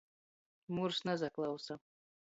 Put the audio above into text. Murs nasaklausa.